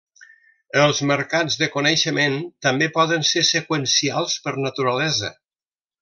Els mercats de coneixement també poden ser seqüencials per naturalesa.